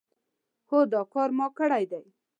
هو دا کار ما کړی دی.